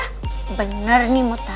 kamu harusnya kasih tau kamu ngomong apa aja